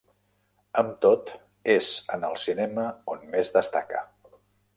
Amb tot, és en el cinema on més destaca.